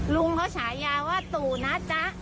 ลุงเขาฉายาว่าตู่นะจ๊ะ